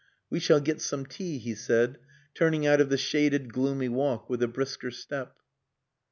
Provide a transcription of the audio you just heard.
"We shall get some tea," he said, turning out of the shaded gloomy walk with a brisker step.